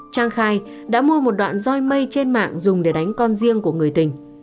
trang khai đã mua một đoạn roi mây trên mạng dùng để đánh con riêng của người tình